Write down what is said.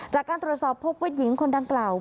จากการตรวจสอบพบว่าหญิงคนดังกล่าว